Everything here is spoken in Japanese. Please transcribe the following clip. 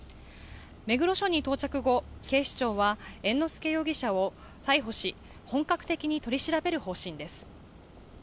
目黒署に到着後、警視庁は猿之助容疑者を逮捕し本格的に取り調べる方針です。